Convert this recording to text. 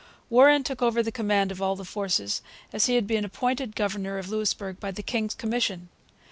Warren took over the command of all the forces, as he had been appointed governor of Louisbourg by the king's commission.